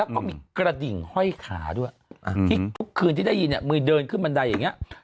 แล้วก็มีกระดิ่งห้อยขาด้วยที่ทุกคืนที่ได้ยินมือเดินขึ้นบันไดอย่างนี้